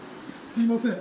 すいません。